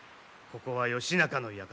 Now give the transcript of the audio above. ここは義仲の館。